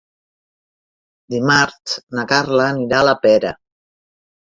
Dimarts na Carla anirà a la Pera.